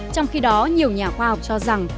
trong khi đó nhiều nhà khoa học cho rằng